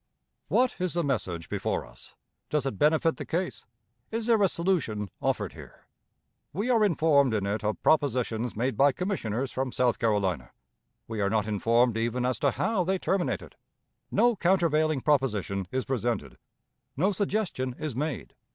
What is the message before us? Does it benefit the case? Is there a solution offered here? We are informed in it of propositions made by commissioners from South Carolina. We are not informed even as to how they terminated. No countervailing proposition is presented; no suggestion is made.